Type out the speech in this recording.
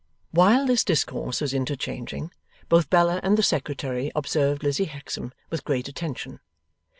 While this discourse was interchanging, both Bella and the Secretary observed Lizzie Hexam with great attention.